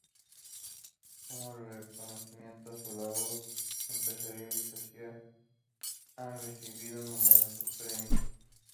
Como reconocimiento a su labor empresarial y social, ha recibido numerosos premios.